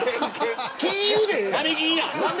金融でええやん。